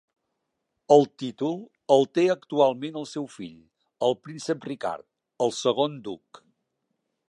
El títol el té actualment el seu fill, el príncep Ricard, el segon duc.